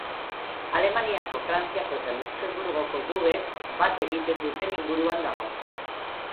Alemaniako, Frantziako eta Luxenburgoko mugek bat egiten duten inguruan dago.